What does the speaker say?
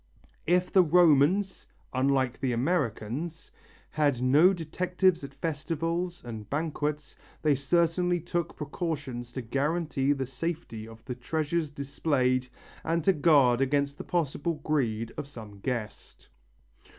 If the Romans, unlike the Americans, had no detectives at festivals and banquets, they certainly took precautions to guarantee the safety of the treasures displayed and to guard against the possible greed of some guest.